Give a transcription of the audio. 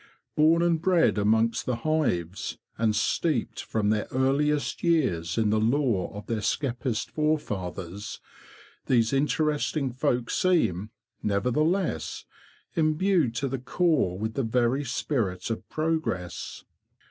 Born and bred amongst the hives, and steeped from their earliest years in the lore of their skeppist forefathers, these interesting folk seem, nevertheless, imbued to the core with the very spirit of progress.